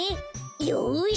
よし！